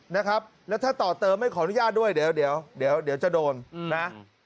นะครับแล้วถ้าต่อเติมไม่ขออนุญาตด้วยเดี๋ยวเดี๋ยวจะโดนนะ